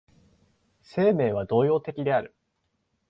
生命は動揺的である。